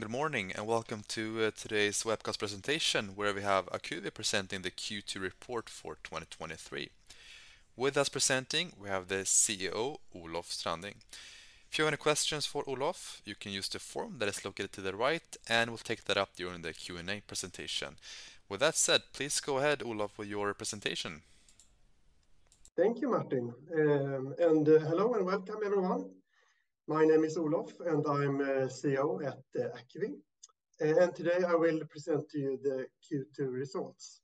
Hello, and good morning, and welcome to today's webcast presentation, where we have Acuvi presenting the Q2 report for 2023. With us presenting, we have the CEO, Olof Stranding. If you have any questions for Olof, you can use the form that is located to the right, and we'll take that up during the Q&A presentation. With that said, please go ahead, Olof, with your presentation. Thank you, Martin. Hello, and welcome, everyone. My name is Olof, and I'm CEO at Acuvi. Today I will present to you the Q2 results.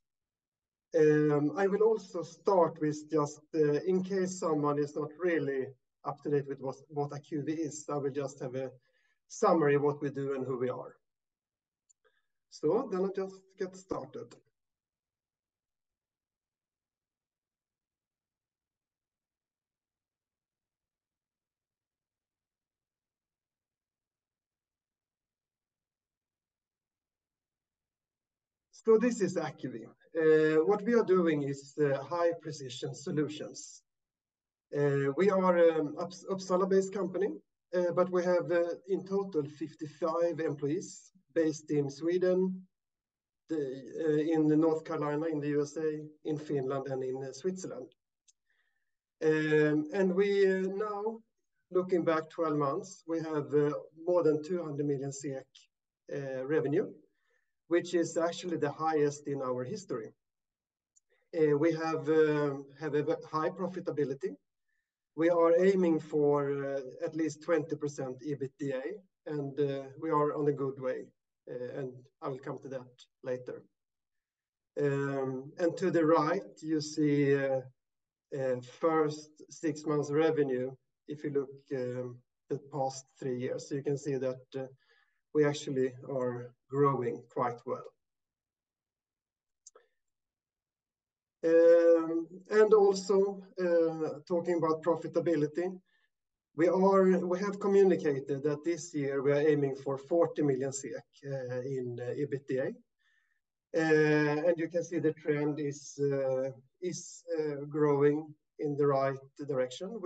I will also start with just, in case someone is not really up to date with what Acuvi is, I will just have a summary of what we do and who we are. So then I'll just get started. So this is Acuvi. What we are doing is high-precision solutions. We are Uppsala-based company, but we have, in total, 55 employees based in Sweden, in North Carolina in the USA, in Finland, and in Switzerland. And we, now, looking back 12 months, we have more than 200 million SEK revenue, which is actually the highest in our history. We have a very high profitability. We are aiming for at least 20% EBITDA, and we are on a good way, and I will come to that later. To the right, you see first six months revenue. If you look the past three years, you can see that we actually are growing quite well. Also, talking about profitability, we have communicated that this year we are aiming for 40 million in EBITDA. You can see the trend is growing in the right direction.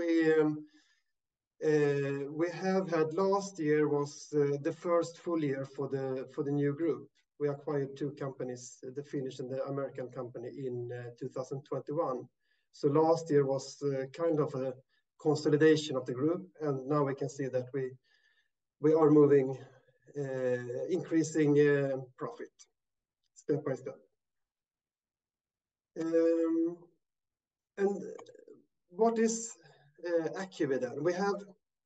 We have had last year was the first full year for the new group. We acquired two companies, the Finnish and the American company in 2021. So last year was kind of a consolidation of the group, and now we can see that we are moving, increasing profit step by step. What is Acuvi, then? We have,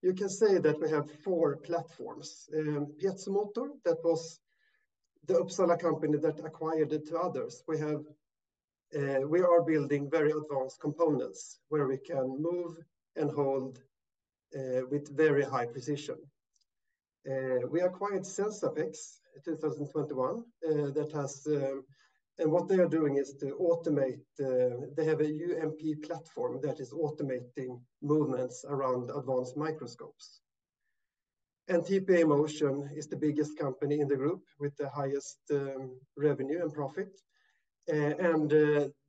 you can say that we have four platforms. PiezoMotor, that was the Uppsala company that acquired the two others. We have, we are building very advanced components where we can move and hold with very high precision. We acquired Sensapex in 2021, that has... What they are doing is to automate, they have a uMp platform that is automating movements around advanced microscopes. TPA Motion is the biggest company in the group, with the highest revenue and profit.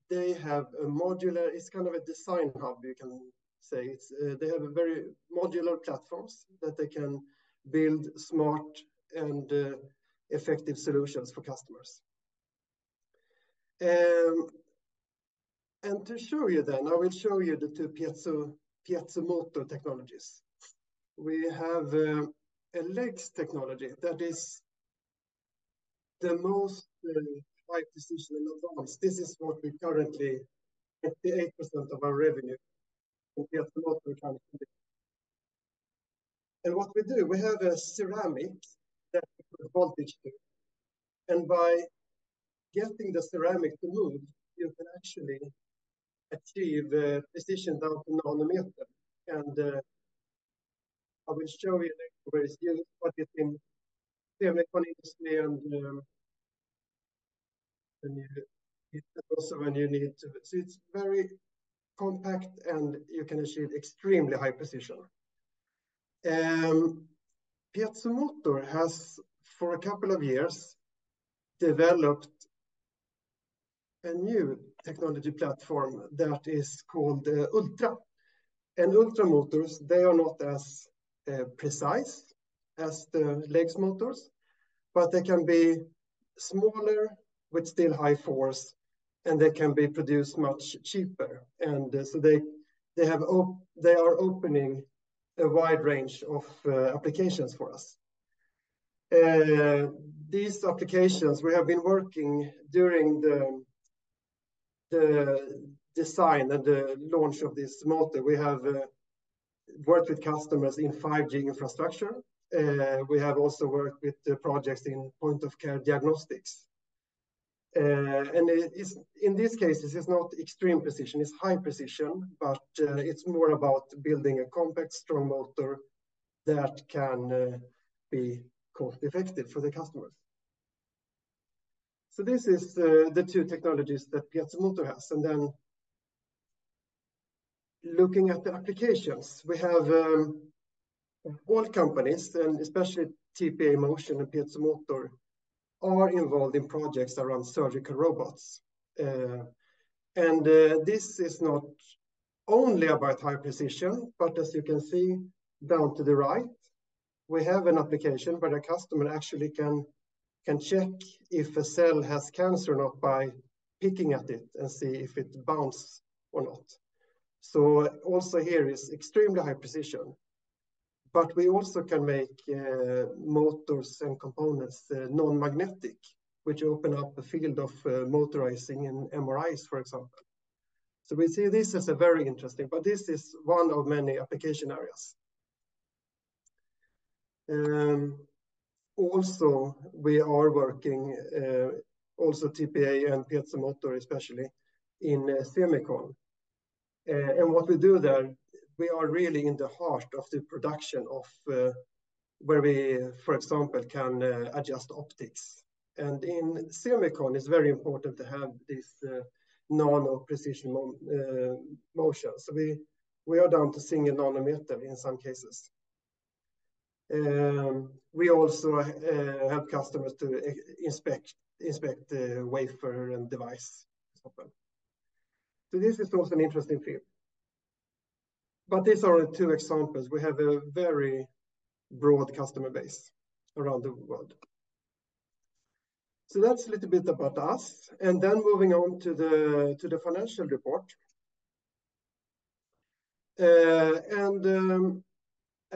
They have a modular, it's kind of a design hub, you can say. It's they have a very modular platforms that they can build smart and effective solutions for customers. And to show you then, I will show you the two piezo, PiezoMotor technologies. We have a LEGS technology that is the most high precision in advance. This is what we currently, 58% of our revenue with PiezoMotor company. And what we do, we have a ceramic that voltage, and by getting the ceramic to move, you can actually achieve precision down to nanometer. And I will show you where you see what you think. The only one is when you, also when you need to. So it's very compact, and you can achieve extremely high precision. PiezoMotor has, for a couple of years, developed a new technology platform that is called Ultra. Ultra Motors, they are not as precise as the LEGS motors, but they can be smaller with still high force, and they can be produced much cheaper. So they are opening a wide range of applications for us. These applications we have been working during the design and the launch of this motor. We have worked with customers in 5G infrastructure. We have also worked with projects in point-of-care diagnostics. In these cases, it's not extreme precision. It's high precision, but it's more about building a compact, strong motor that can be cost-effective for the customers. So this is the two technologies that PiezoMotor has. Then looking at the applications, we have all companies, and especially TPA Motion and PiezoMotor-... are involved in projects around surgical robots. And this is not only about high precision, but as you can see, down to the right, we have an application where the customer actually can check if a cell has cancer or not by picking at it and see if it bounce or not. So also here is extremely high precision, but we also can make motors and components non-magnetic, which open up the field of motorizing in MRIs, for example. So we see this as a very interesting, but this is one of many application areas. Also, we are working also TPA and PiezoMotor, especially in semicon. And what we do there, we are really in the heart of the production of where we, for example, can adjust optics. In semicon, it's very important to have this nano precision motion. So we are down to single nanometer in some cases. We also help customers to inspect the wafer and device as well. So this is also an interesting field. But these are only two examples. We have a very broad customer base around the world. So that's a little bit about us, and then moving on to the financial report.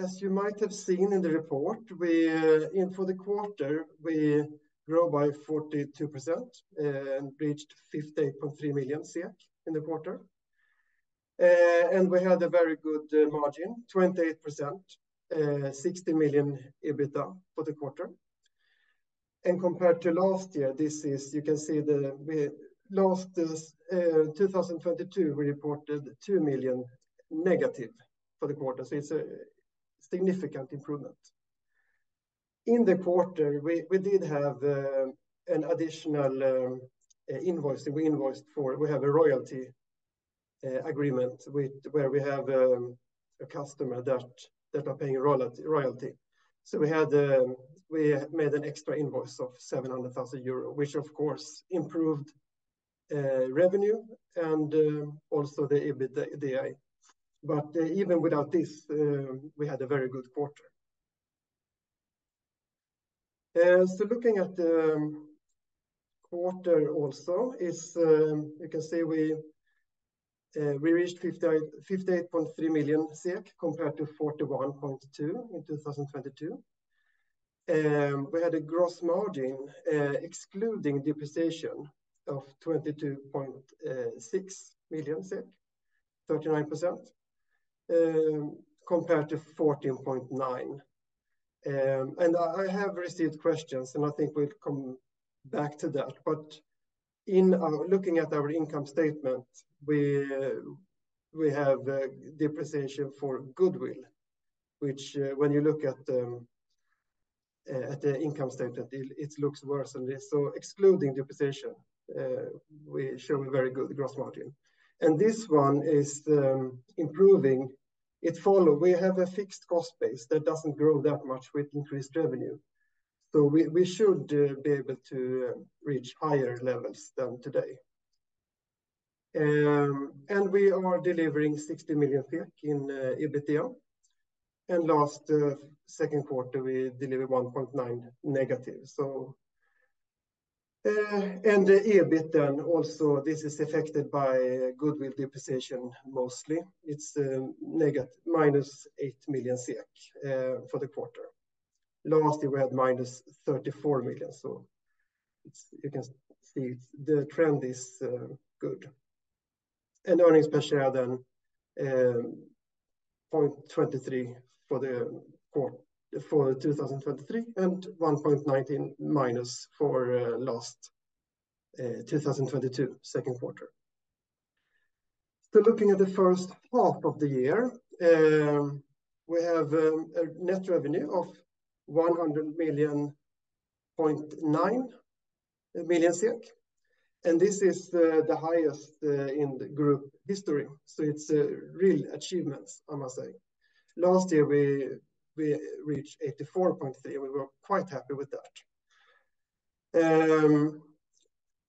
As you might have seen in the report, in for the quarter, we grew by 42% and reached 58.3 million in the quarter. We had a very good margin, 28%, 16 million EBITDA for the quarter. Compared to last year, this is, you can see the, we... Last, 2022, we reported -2 million for the quarter, so it's a significant improvement. In the quarter, we did have an additional invoice that we invoiced for. We have a royalty agreement with where we have a customer that are paying a royalty. So we made an extra invoice of 700,000 euro, which of course, improved revenue and also the EBITDA. But even without this, we had a very good quarter. So looking at the quarter also is, you can see we reached 58.3 million, compared to 41.2 in 2022. We had a gross margin, excluding depreciation of 22.6 million, 39%, compared to 14.9. And I have received questions, and I think we'll come back to that. But in looking at our income statement, we have depreciation for goodwill, which when you look at the income statement, it looks worse than this. So excluding depreciation, we show a very good gross margin. And this one is improving. It follow. We have a fixed cost base that doesn't grow that much with increased revenue, so we should be able to reach higher levels than today. And we are delivering 60 million in EBITDA. And last second quarter, we delivered -1.9 million SEK. So, and the EBIT then also, this is affected by goodwill depreciation, mostly. It's minus 8 million SEK for the quarter. Last year, we had -34 million, so it's good. You can see, the trend is good. Earnings per share then, 0.23 for 2023, and -1.19 for last 2022 second quarter. So looking at the first half of the year, we have a net revenue of 100.9 million, and this is the highest in the group history, so it's a real achievement, I must say. Last year, we reached 84.3 million. We were quite happy with that.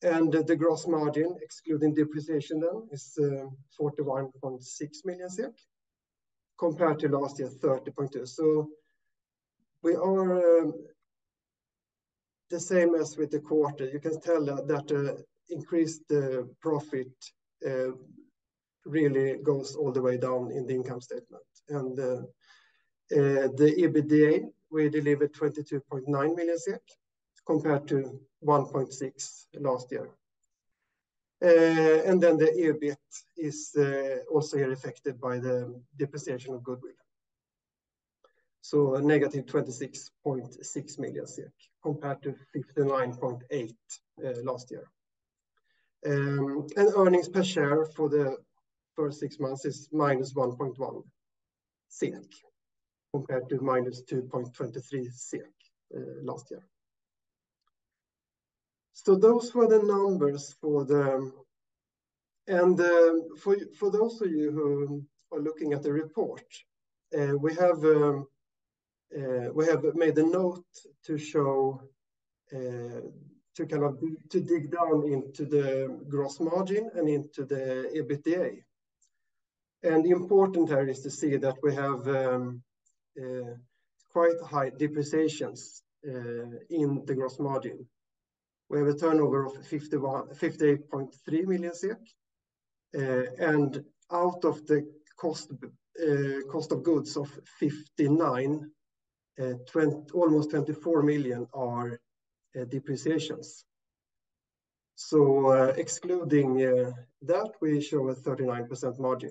And the gross margin, excluding depreciation, though, is 41.6 million, compared to last year, 30.2 million. So we are the same as with the quarter. You can tell that increased profit really goes all the way down in the income statement. And the EBITDA, we delivered 22.9 million, compared to 1.6 million last year. And then the EBIT is also here affected by the depreciation of goodwill. So -26.6 million, compared to 59.8 million last year. And earnings per share for the first six months is -1.1 SEK, compared to -2.23 SEK last year. So those were the numbers. And for those of you who are looking at the report, we have made a note to show to kind of dig down into the gross margin and into the EBITDA. The important here is to see that we have quite high depreciations in the gross margin. We have a turnover of 58.3 million SEK. And out of the cost, cost of goods of 59.2, almost 24 million are depreciations. So, excluding that, we show a 39% margin.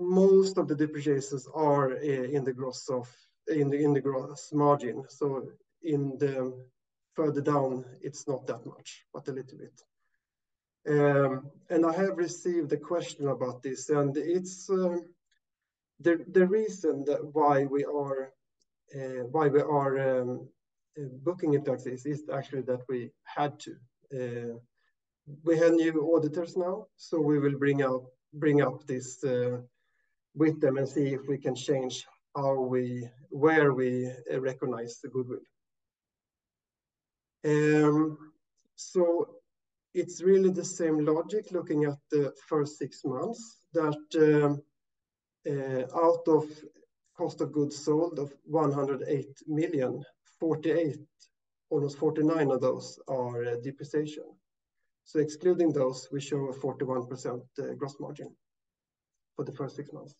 Most of the depreciations are in the gross margin. So in the further down, it's not that much, but a little bit. And I have received a question about this, and it's the reason why we are booking it like this is actually that we had to. We have new auditors now, so we will bring up this with them and see if we can change how we, where we recognize the goodwill. So it's really the same logic, looking at the first six months, that out of cost of goods sold of 108 million, 48, almost 49 of those are depreciation. So excluding those, we show a 41% gross margin for the first six months.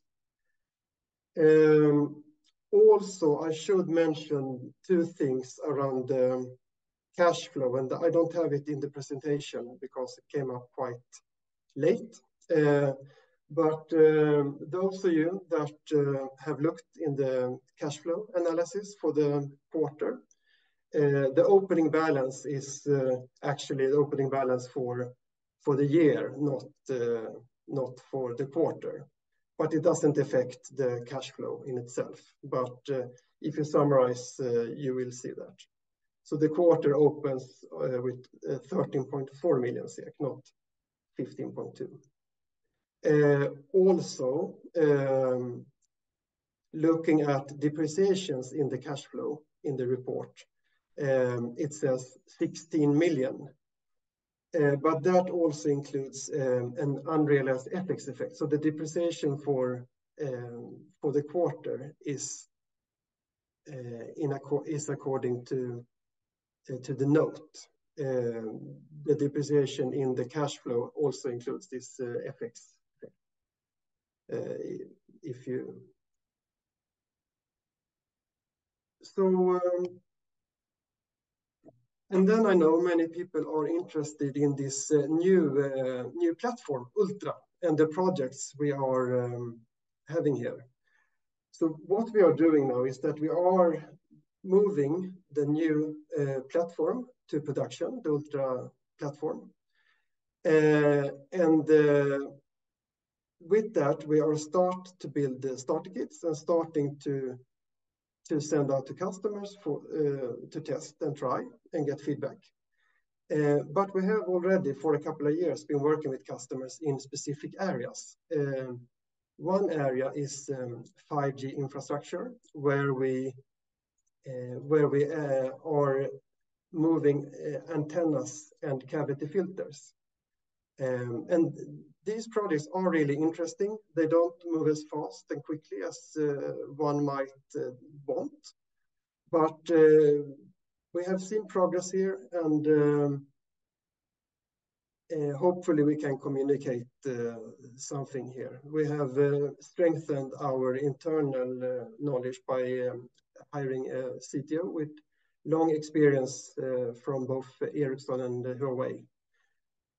Also, I should mention two things around the cash flow, and I don't have it in the presentation because it came up quite late. But, those of you that have looked in the cash flow analysis for the quarter, the opening balance is actually the opening balance for the year, not for the quarter, but it doesn't affect the cash flow in itself. But, if you summarize, you will see that. So the quarter opens with 13.4 million SEK, not 15.2 million. Also, looking at depreciations in the cash flow in the report, it says 16 million. But that also includes an unrealized FX effect. So the depreciation for the quarter is according to the note. The depreciation in the cash flow also includes this FX effect, if you... And then I know many people are interested in this new platform, Ultra, and the projects we are having here. So what we are doing now is that we are moving the new platform to production, the Ultra platform. And with that, we are start to build the starter kits and starting to send out to customers for to test and try and get feedback. But we have already, for a couple of years, been working with customers in specific areas. One area is 5G infrastructure, where we are moving antennas and cavity filters. And these products are really interesting. They don't move as fast and quickly as one might want, but we have seen progress here, and hopefully, we can communicate something here. We have strengthened our internal knowledge by hiring a CTO with long experience from both Ericsson and Huawei.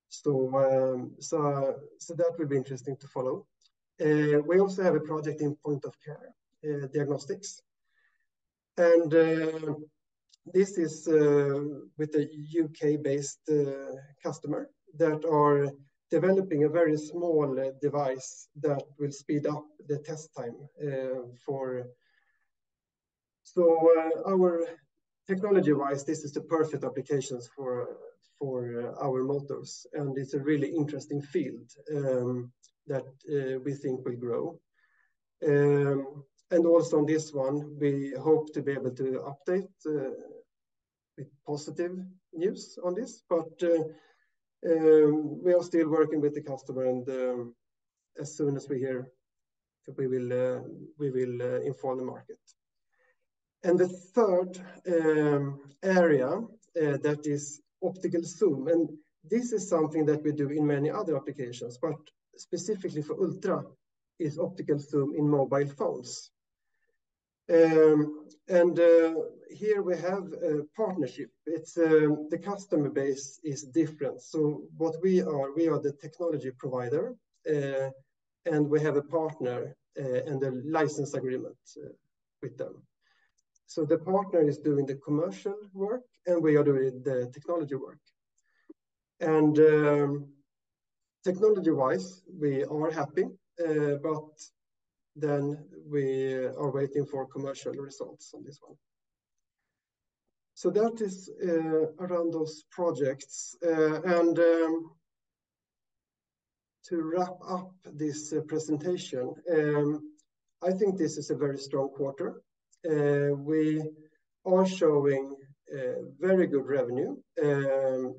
So that will be interesting to follow. We also have a project in point-of-care diagnostics. And this is with a U.K.-based customer that are developing a very small device that will speed up the test time for... Our technology-wise, this is the perfect applications for our motors, and it's a really interesting field that we think will grow. And also on this one, we hope to be able to update with positive news on this, but we are still working with the customer, and as soon as we hear, we will inform the market. The third area that is optical zoom, and this is something that we do in many other applications, but specifically for Ultra, is optical zoom in mobile phones. And here we have a partnership. It's the customer base is different. So what we are, we are the technology provider, and we have a partner and a license agreement with them. So the partner is doing the commercial work, and we are doing the technology work. And technology-wise, we are happy, but then we are waiting for commercial results on this one. So that is around those projects. And to wrap up this presentation, I think this is a very strong quarter. We are showing very good revenue,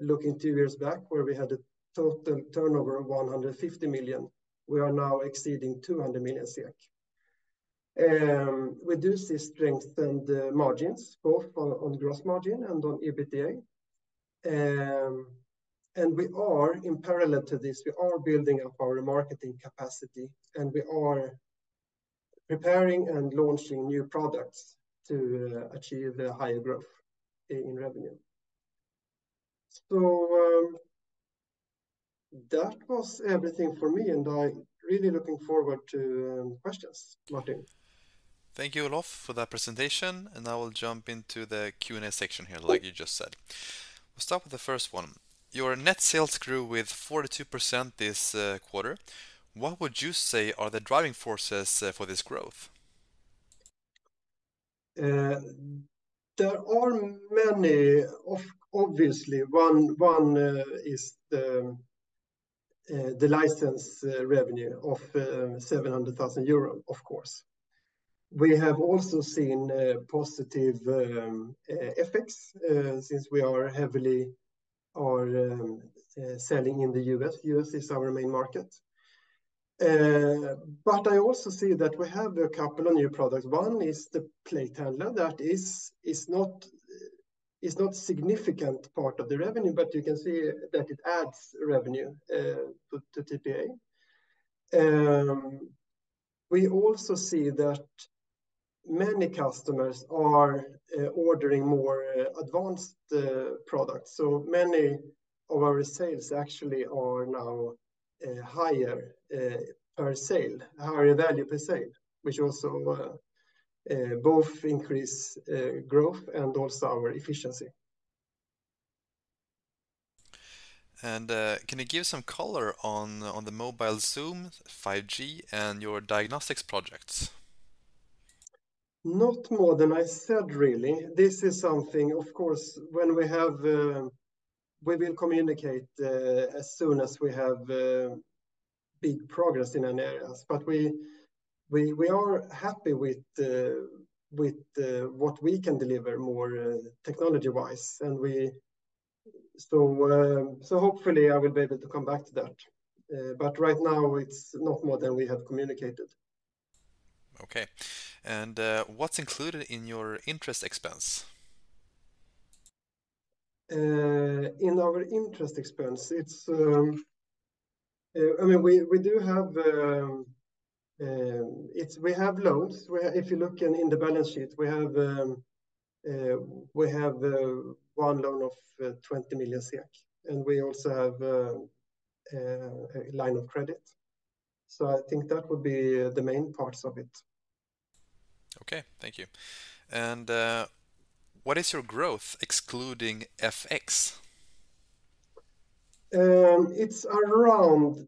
looking two years back, where we had a total turnover of 150 million. We are now exceeding 200 million. We do see strength in the margins, both on gross margin and on EBITDA. And we are, in parallel to this, we are building up our marketing capacity, and we are preparing and launching new products to achieve a higher growth in revenue. That was everything for me, and I'm really looking forward to questions, Martin. Thank you, Olof, for that presentation, and I will jump into the Q&A section here, like you just said. We'll start with the first one. Your net sales grew with 42% this quarter. What would you say are the driving forces for this growth? There are many. Obviously, one is the license revenue of 700,000 euro, of course. We have also seen positive effects since we are heavily selling in the U.S. U.S. is our main market. But I also see that we have a couple of new products. One is the plate handler that is not significant part of the revenue, but you can see that it adds revenue to TPA. We also see that many customers are ordering more advanced products. So many of our sales actually are now higher per sale, higher value per sale, which also both increase growth and also our efficiency. Can you give some color on the mobile zoom, 5G, and your diagnostics projects? Not more than I said, really. This is something, of course, when we have, we will communicate, as soon as we have, big progress in an areas, but we, we, we are happy with the, with the, what we can deliver more, technology-wise, and we- so, so hopefully I will be able to come back to that. But right now it's not more than we have communicated. Okay. And, what's included in your interest expense? In our interest expense, it's, I mean, we do have, we have loans, where if you look in the balance sheet, we have one loan of 20 million SEK, and we also have a line of credit. So I think that would be the main parts of it. Okay, thank you. And, what is your growth, excluding FX? It's around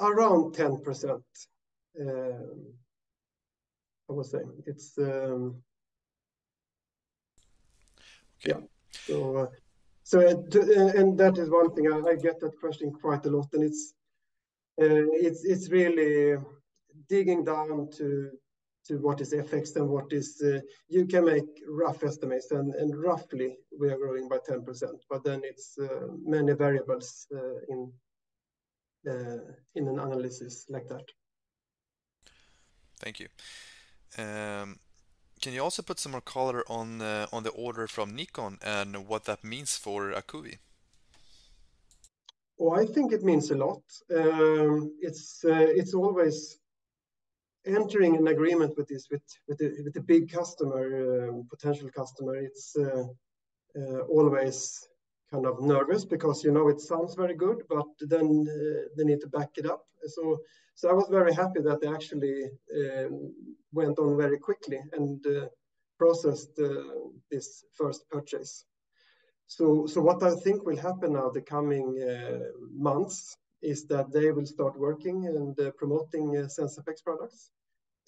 10%. I was saying, it's... Yeah. That is one thing I get that question quite a lot, and it's really digging down to what is FX and what is... You can make rough estimates, and roughly, we are growing by 10%, but then it's many variables in an analysis like that. Thank you. Can you also put some more color on the order from Nikon and what that means for Acuvi? Well, I think it means a lot. It's always entering an agreement with this, with a big customer, potential customer. It's always kind of nervous because, you know, it sounds very good, but then, they need to back it up. So, I was very happy that they actually went on very quickly and processed this first purchase. So, what I think will happen now, the coming months, is that they will start working and promoting Sensapex products.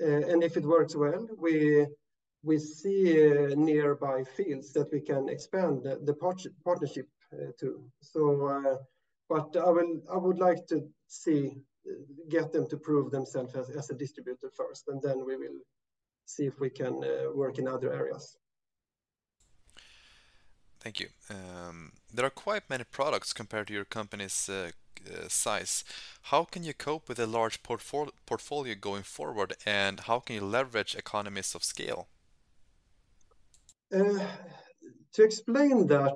And if it works well, we see nearby fields that we can expand the partnership to. So, but I would like to see, get them to prove themselves as a distributor first, and then we will see if we can work in other areas. Thank you. There are quite many products compared to your company's size. How can you cope with a large portfolio going forward, and how can you leverage economies of scale? To explain that,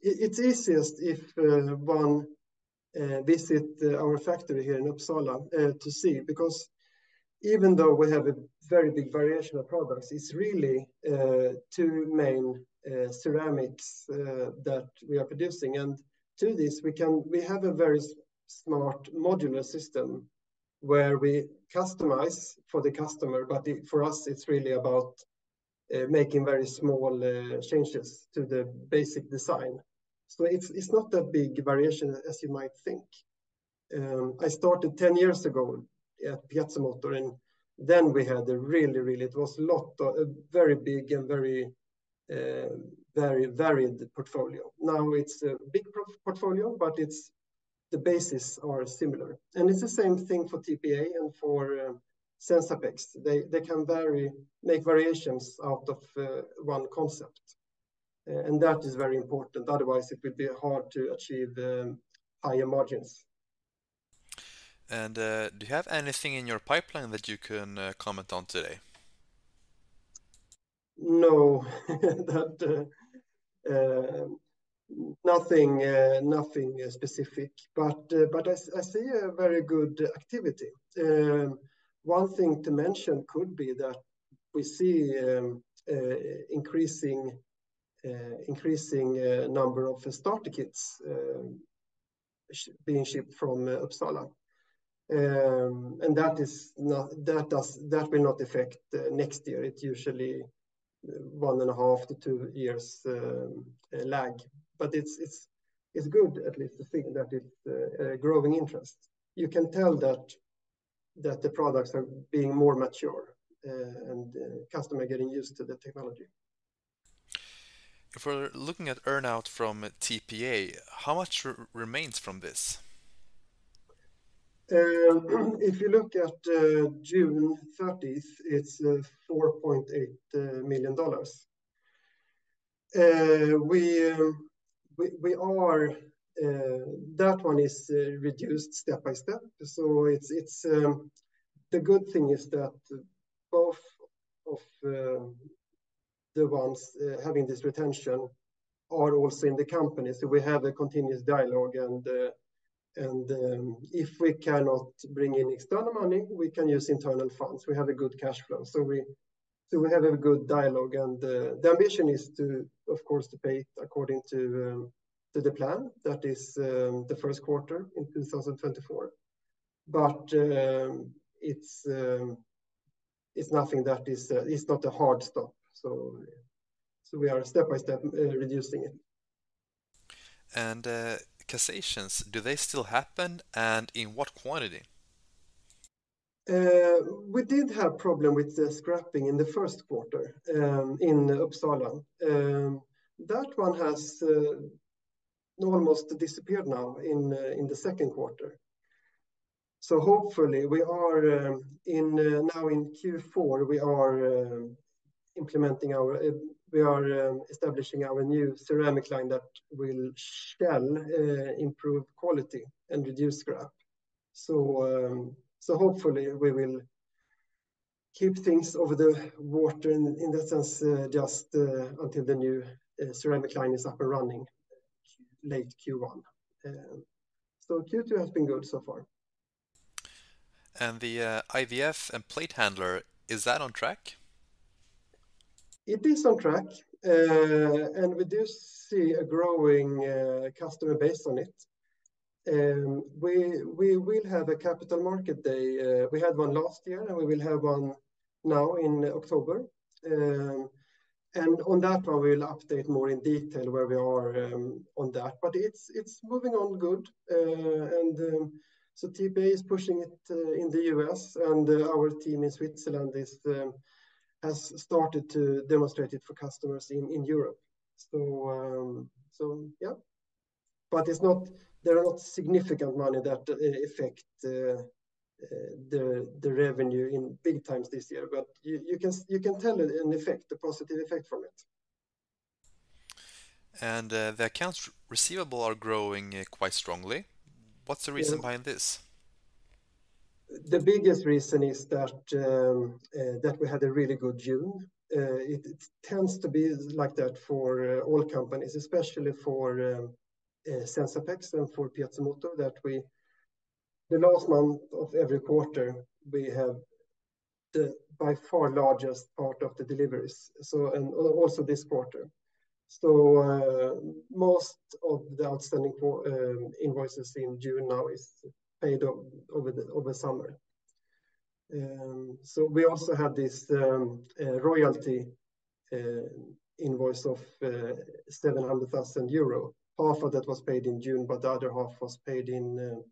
it's easiest if one visit our factory here in Uppsala to see, because even though we have a very big variation of products, it's really two main ceramics that we are producing. And to this, we have a very smart modular system, where we customize for the customer, but it, for us, it's really about making very small changes to the basic design. So it's not that big variation, as you might think. I started 10 years ago at PiezoMotor, and then we had a really, really, it was a lot of, a very big and very, very varied portfolio. Now it's a big portfolio, but it's the basis are similar, and it's the same thing for TPA and for Sensapex. They can vary, make variations out of one concept, and that is very important. Otherwise, it would be hard to achieve higher margins. Do you have anything in your pipeline that you can comment on today? No. That, nothing specific, but I see a very good activity. One thing to mention could be that we see increasing number of starter kits being shipped from Uppsala. And that is not, that does, that will not affect next year. It's usually one and a half to two years lag. But it's good, at least to think that it's a growing interest. You can tell that the products are being more mature, and the customer getting used to the technology. If we're looking at earn-out from TPA, how much remains from this? If you look at June thirtieth, it's $4.8 million. That one is reduced step by step. So it's the good thing is that both of the ones having this retention are also in the company. So we have a continuous dialogue, and if we cannot bring in external money, we can use internal funds. We have a good cash flow. So we have a good dialogue, and the ambition is to, of course, to pay according to the plan. That is the first quarter in 2024. But it's nothing that is, it's not a hard stop. So we are step by step reducing it. Acquisitions, do they still happen, and in what quantity? We did have problem with the scrapping in the first quarter, in Uppsala. That one has almost disappeared now in the second quarter. So hopefully, we are now in Q4, we are implementing our, we are establishing our new ceramic line that will shall improve quality and reduce scrap. So, so hopefully we will keep things over the water in that sense, just until the new ceramic line is up and running late Q1. So Q2 has been good so far. The IVF and plate handler, is that on track? It is on track, and we do see a growing customer base on it. We will have a capital market day. We had one last year, and we will have one now in October. And on that one, we will update more in detail where we are on that. But it's moving on good. So TPA is pushing it in the U.S., and our team in Switzerland has started to demonstrate it for customers in Europe. So, yeah, but it's not- there are not significant money that affect the revenue in big times this year. But you can tell an effect, a positive effect from it. The accounts receivable are growing quite strongly. What's the reason behind this? The biggest reason is that we had a really good June. It tends to be like that for all companies, especially for Sensapex and for PiezoMotor, that we... The last month of every quarter, we have the by far largest part of the deliveries, so, and also this quarter. Most of the outstanding invoices in June now is paid up over the summer. So we also had this royalty invoice of 700,000 euro. Half of that was paid in June, but the other half was paid in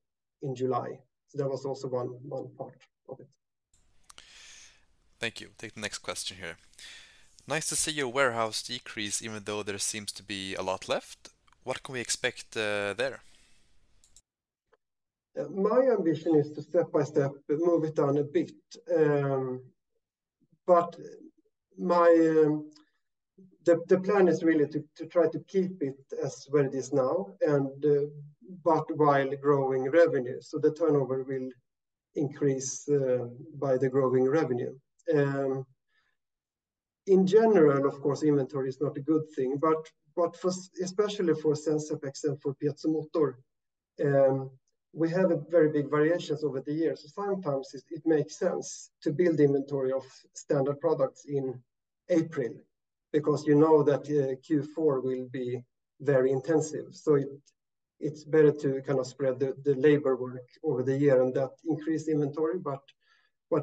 July. So that was also one part of it. Thank you. Take the next question here. Nice to see your warehouse decrease, even though there seems to be a lot left. What can we expect there? My ambition is to step by step, move it down a bit. But my, the plan is really to try to keep it as where it is now and, but while growing revenue, so the turnover will increase by the growing revenue. In general, of course, inventory is not a good thing, but for, especially for Sensapex and for PiezoMotor, we have a very big variations over the years. So sometimes it makes sense to build inventory of standard products in April, because you know that Q4 will be very intensive. So it is better to kind of spread the labor work over the year and that increase inventory, but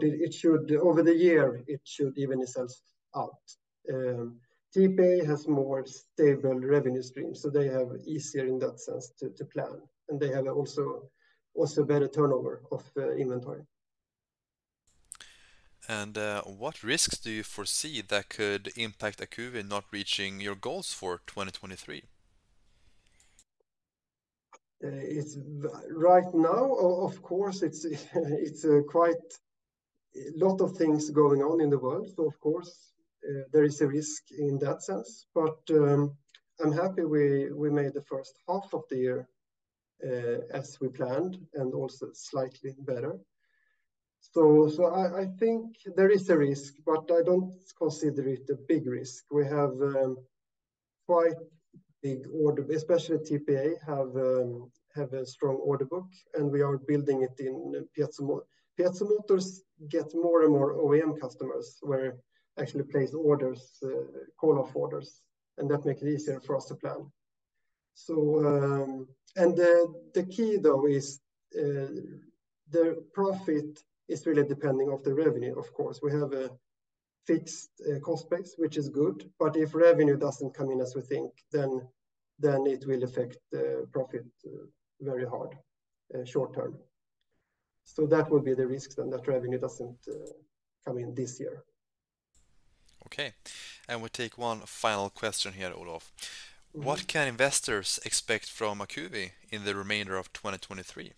it should, over the year, it should even itself out. TPA has more stable revenue stream, so they have easier in that sense to plan, and they have also better turnover of inventory.... what risks do you foresee that could impact Acuvi not reaching your goals for 2023? It's right now, of course, quite a lot of things going on in the world. So of course, there is a risk in that sense. But, I'm happy we made the first half of the year as we planned, and also slightly better. So I think there is a risk, but I don't consider it a big risk. We have quite big order, especially TPA, have a strong order book, and we are building it in piezo motors, get more and more OEM customers, where actually place orders, call-off orders, and that make it easier for us to plan. So, and the key, though, is, the profit is really depending on the revenue, of course. We have a fixed cost base, which is good, but if revenue doesn't come in as we think, then it will affect the profit very hard in short term. So that would be the risk, then, that revenue doesn't come in this year. Okay, and we take one final question here, Olof. Mm-hmm. What can investors expect from Acuvi in the remainder of 2023?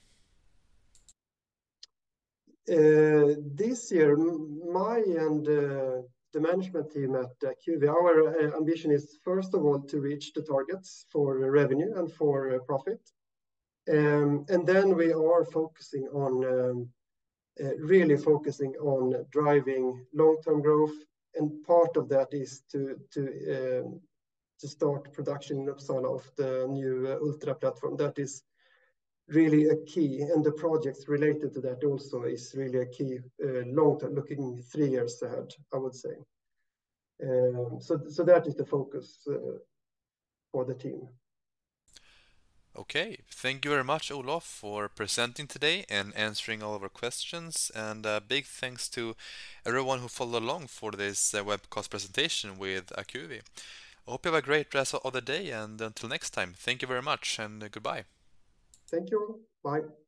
This year, me and the management team at Acuvi, our ambition is, first of all, to reach the targets for revenue and for profit. And then we are focusing on, really focusing on driving long-term growth, and part of that is to start production in Uppsala of the new, Ultra platform. That is really a key, and the projects related to that also is really a key, long term, looking three years ahead, I would say. So, that is the focus, for the team. Okay. Thank you very much, Olof, for presenting today and answering all of our questions. And, big thanks to everyone who followed along for this webcast presentation with Acuvi. I hope you have a great rest of the day, and until next time, thank you very much, and goodbye. Thank you. Bye.